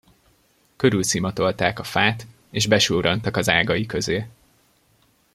Körülszimatolták a fát, és besurrantak az ágai közé.